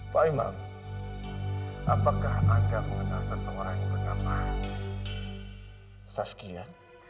pak imam apakah anda mengenal seseorang yang bernama saskia